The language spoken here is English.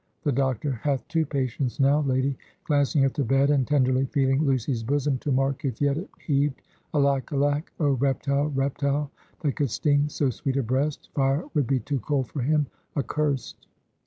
The Doctor hath two patients now, lady" glancing at the bed, and tenderly feeling Lucy's bosom, to mark if yet it heaved; "Alack! Alack! oh, reptile! reptile! that could sting so sweet a breast! fire would be too cold for him accursed!"